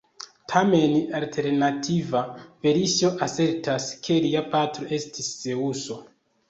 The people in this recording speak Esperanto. Tamen, alternativa versio asertas ke lia patro estis Zeŭso.